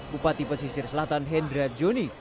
bupati pesisir selatan hendra joni